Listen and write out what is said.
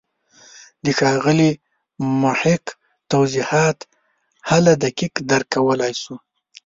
د ښاغلي محق توضیحات هله دقیق درک کولای شو.